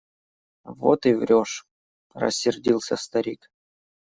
Вот и врешь! – рассердился старик.